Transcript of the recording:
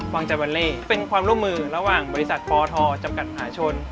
วังจันวาเล่เป็นความร่วมมือระหว่างบริษัทปทจำกัดมหาชน